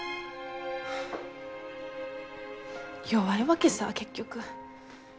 弱いわけさぁ結局。